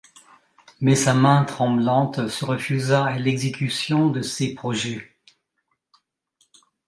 Mais sa main tremblante se refusa à l’exécution de ses projets.